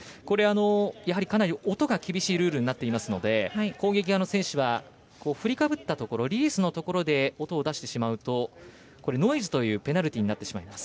やはりかなり音が厳しいルールになっていりますので攻撃側の選手は振りかぶったところリリースのところで音を出してしまうとノイズというペナルティーになってしまいます。